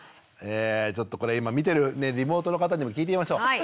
ちょっとこれ今見てるリモートの方にも聞いてみましょう。